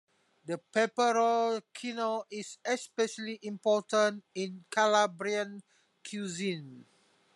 The peperoncino is especially important in Calabrian cuisine.